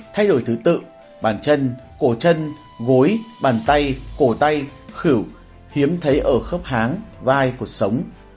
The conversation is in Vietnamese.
thay đổi thứ tự bàn chân cổ chân gối bàn tay cổ tay khỉu hiếm thấy ở khớp háng vai cuộc sống